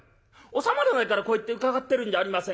「収まらないからこうやって伺ってるんじゃありませんか。